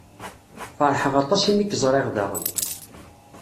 FeṛḥeƔ aṭas imi k-ẓṛiƔ daƔen.